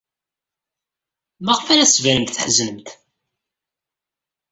Maɣef ay la d-tettbanemt tḥeznemt?